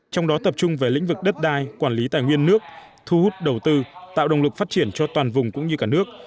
trong đó tập trung về lĩnh vực đất đai quản lý tài nguyên nước thu hút đầu tư tạo động lực phát triển cho toàn vùng cũng như cả nước